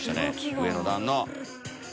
上の段の。